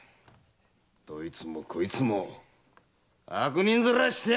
どいつもこいつも悪人面してやがるぜ！